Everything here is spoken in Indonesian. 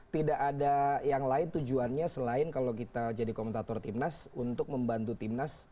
tidak ada yang lain tujuannya selain kalau kita jadi komentator timnas untuk membantu timnas